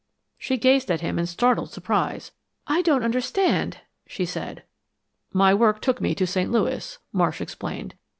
She gazed at him in startled surprise. "I don't understand," she said. "My work took me to St. Louis," Marsh explained.